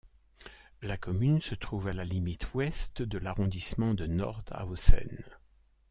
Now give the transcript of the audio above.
La commune se trouve à la limite ouest de l'arrondissement de Nordhausen.